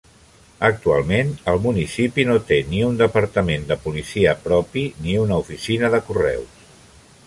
Actualment, el municipi no té ni un departament de policia propi ni una oficina de correus.